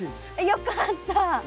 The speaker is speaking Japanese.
よかった。